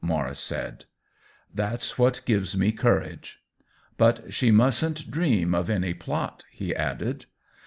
Maurice S2tid. " That's what gives me courage." " But she mustn't dream of any plot," he added.